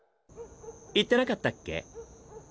言ってなかったっけ？